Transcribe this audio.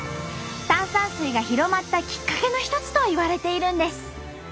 炭酸水が広まったきっかけの一つといわれているんです。